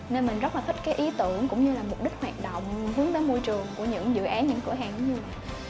nên mình rất là thích cái ý tưởng cũng như là mục đích hoạt động hướng đến môi trường của những dự án những cửa hàng như vậy